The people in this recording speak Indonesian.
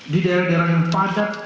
di daerah daerah yang padat